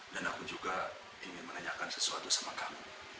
dan aku juga ingin menanyakan sesuatu sama kamu